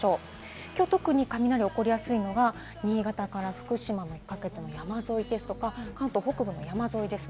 特に雷が起こりやすいのは新潟から福島にかけての山沿いですとか、関東北部の山沿いです。